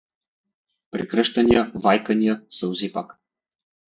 Прегръщания, вайкания, сълзи пак.